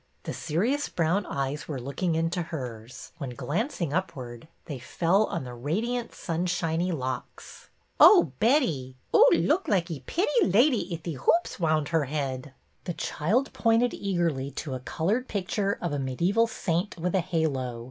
The serious brown eyes were looking into hers, when, glancing upward, they fell on the radiant, sunshiny locks. '' Oh, Betty, oo look like ee pitty lady ith ee hoops round her head." The child pointed eagerly to a colored picture of a medieval saint with a halo.